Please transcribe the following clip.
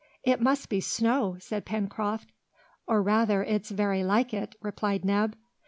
"It must be snow!" said Pencroft. "Or rather it's very like it!" replied Neb.